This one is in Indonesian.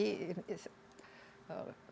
kita memiliki penemuan yang fenomenal